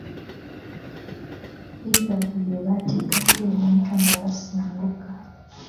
Pikaapu gye baatikako ebintu nga basenguka.